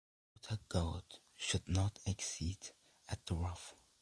The outer coat should not exceed at the ruff.